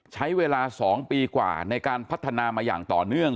ใช้เวลา๒ปีกว่าในการพัฒนามาอย่างต่อเนื่อง